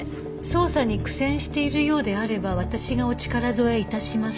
「捜査に苦戦しているようであれば私がお力添えいたします」